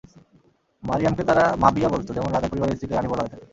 মারয়ামকে তারা মাবিয়াহ বলত, যেমন রাজার পরিবারের স্ত্রীকে রানী বলা হয়ে থাকে।